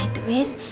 nah itu bes